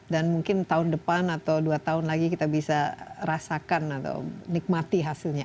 dan mungkin tahun depan atau dua tahun lagi kita bisa rasakan atau nikmati hasilnya